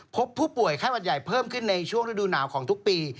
พบผู้ป่วยไข้หวัดใหญ่เพิ่มขึ้นในช่วงฤดูหนาวของทุกปี